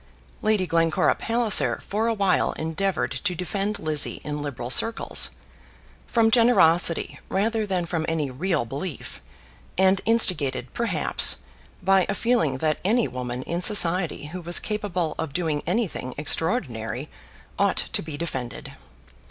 Lady Glencora Palliser for a while endeavoured to defend Lizzie in Liberal circles, from generosity rather than from any real belief, and instigated, perhaps, by a feeling that any woman in society who was capable of doing anything extraordinary ought to be defended.